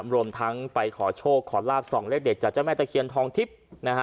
รวมทั้งไปขอโชคขอลาบส่องเลขเด็ดจากเจ้าแม่ตะเคียนทองทิพย์นะฮะ